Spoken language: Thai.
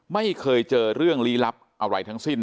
ไม่เคยเจอเรื่องลี้ลับอะไรทั้งสิ้น